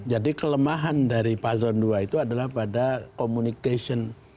jadi kelemahan dari pazlon dua itu adalah pada communication